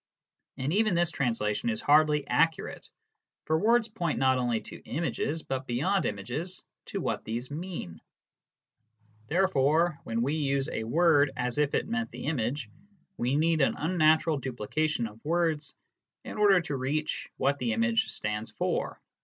And even this translation is hardly accurate, for words point not only to images, but beyond images to what these mean. Therefore, when we use a word as if it meant the image, we 36 BERTRAND RUSSELL. need an unnatural duplication of words in order to reach what the image stands for.